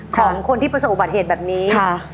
ของคนที่ประสบอุบัติเหตุแบบนี้